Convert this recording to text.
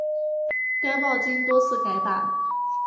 该报经多次改版。